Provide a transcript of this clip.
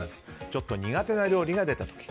ちょっと苦手な料理が出た時。